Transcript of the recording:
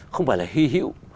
không phải là hy hữu